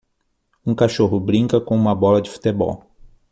Um cachorro brinca com uma bola de futebol